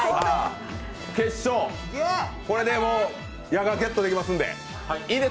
決勝、これでもう矢がゲットできます。